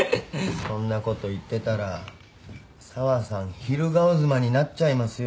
そんなこと言ってたら紗和さん昼顔妻になっちゃいますよ。